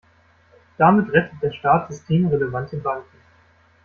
Damit rettet der Staat systemrelevante Banken.